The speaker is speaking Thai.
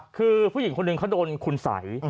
คือผู้หญิงคนหนึ่งเขาโดนคุณสัย